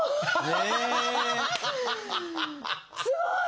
すごい！